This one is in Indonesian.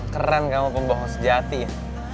keren kamu pembohong sejati ya